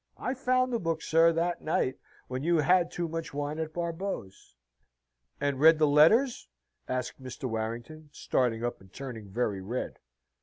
I found the book, sir, that night, when you had too much wine at Barbeau's." "And read the letters?" asked Mr. Warrington, starting up and turning very red.